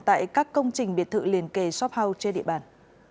tại các công trình biệt thự liền kề shop house trên địa bàn